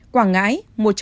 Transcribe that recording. quảng ngãi một trăm linh sáu